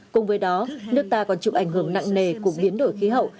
cùng với đó nước ta còn chịu ảnh hưởng nặng nề của biến đổi khí hậu